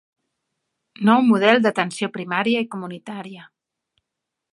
Nou model d'atenció primària i comunitària.